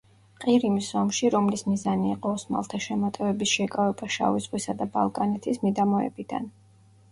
ყირიმის ომში, რომლის მიზანი იყო ოსმალთა შემოტევების შეკავება შავი ზღვისა და ბალკანეთის მიდამოებიდან.